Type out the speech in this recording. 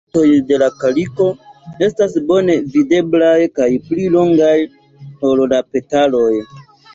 La dentoj de la kaliko estas bone videblaj kaj pli longaj ol la petaloj.